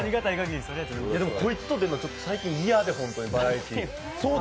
こいつと出るの、最近、嫌でバラエティーで。